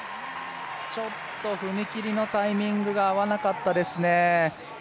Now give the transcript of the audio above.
ちょっと踏み切りのタイミングが合わなかったですね。